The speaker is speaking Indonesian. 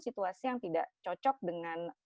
situasi yang tidak cocok dengan